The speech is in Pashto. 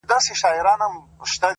ستا خنداگاني مي ساتلي دي کرياب وخت ته،